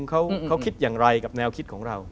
เขาคิดอย่างไรกับแนวคิดของเรา